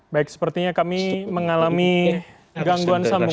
baik sepertinya kami mengalami gangguan sambungan